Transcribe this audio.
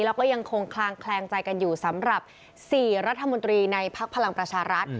แล้วก็ยังคงคลางแคลงใจกันอยู่สำหรับ๔รัฐมนตรีในภักดิ์พลังประชารัฐ